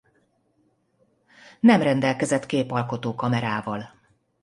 Nem rendelkezett képalkotó kamerával.